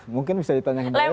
mungkin bisa ditanyakan